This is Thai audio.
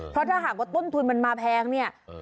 เพราะถ้าหากว่าต้นทุนมันมาแพงเนี่ย